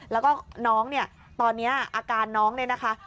แล้วก็น้องเนี่ยตอนนี้อาการน้องเนี่ยนะคะ